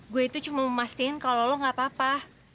gue itu cuma memastikan kalau lo gak apa apa